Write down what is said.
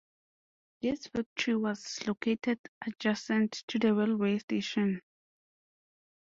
This factory was located adjacent to the railway station.